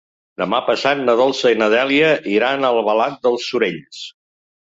Demà passat na Dolça i na Dèlia iran a Albalat dels Sorells.